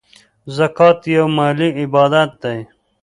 زکات یو مالی عبادت دی .